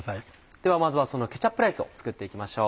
ではまずはそのケチャップライスを作って行きましょう。